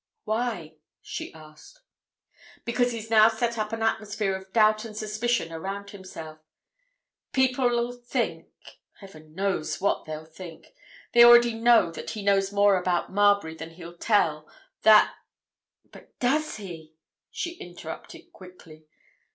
"Why?" she asked. "Because he's now set up an atmosphere of doubt and suspicion around himself. People'll think—Heaven knows what they'll think! They already know that he knows more about Marbury than he'll tell, that—" "But does he?" she interrupted quickly.